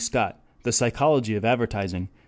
Scott, The Psychology of Advertising, pp.